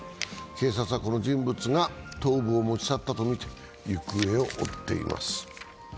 警察はこの人物が頭部を持ち去ったとみて、行方を追っています。